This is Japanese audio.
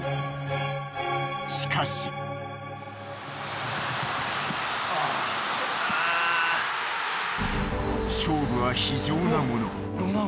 ［しかし］［勝負は非情なもの］